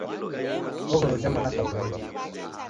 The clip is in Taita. Oghora uja mwana siwape ungi.